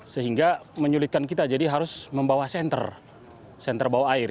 sehingga menyulitkan kita jadi harus membawa senter bawa air